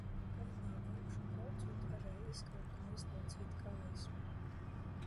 Kalnā augšup braucot varēja izkāpt un izlocīt kājas.